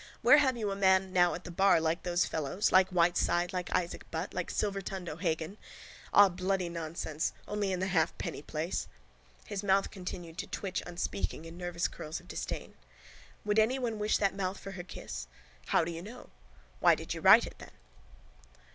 Where have you a man now at the bar like those fellows, like Whiteside, like Isaac Butt, like silvertongued O'Hagan. Eh? Ah, bloody nonsense. Psha! Only in the halfpenny place. His mouth continued to twitch unspeaking in nervous curls of disdain. Would anyone wish that mouth for her kiss? How do you know? Why did you write it then?